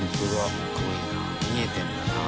「すごいな見えてるんだな」